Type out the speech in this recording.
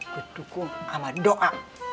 gue dukung sama doa